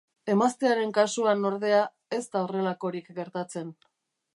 Emaztearen kasuan, ordea, ez da horrelakorik gertatzen.